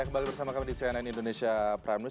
kembali bersama kami di cnn indonesia prime news